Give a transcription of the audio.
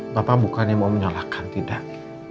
bapak bukannya mau menyalahkan tidak